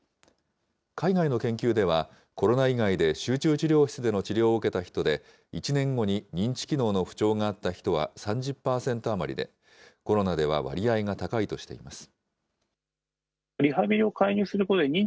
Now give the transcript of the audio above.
海外の研究では、コロナ以外で集中治療室での治療を受けた人で、１年後に認知機能の不調があった人は３０％余りで、コロナでは割合が高いとしています。